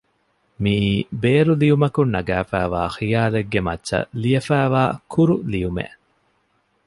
މިއީ ބޭރު ލިޔުމަކުން ނަގައިފައިވާ ޚިޔާލެއްގެ މައްޗަށް ލިޔެފައިވާ ކުރު ލިޔުމެއް